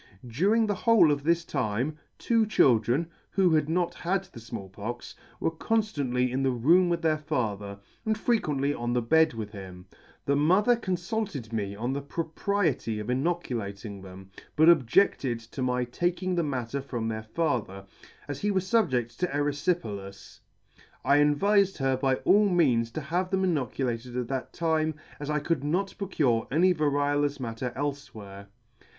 During the whole of this time, two children, who had not had the Small Pox, were conftantly in the room with their father, and frequently on the bed with him. The mother confulted me on the propriety of inoculating them, but objeded to my taking the matter from their father, as he was fubjed to eryfi pelas. I advifed her by all means to have them inoculated at that time, as I could not procure any variolous matter elfe where.